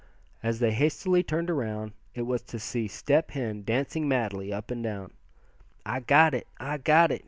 As they hastily turned that way, it was to see Step Hen dancing madly up and down. "I got it! I got it!"